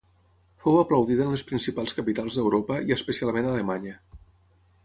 Fou aplaudida en les principals capitals d'Europa i especialment a Alemanya.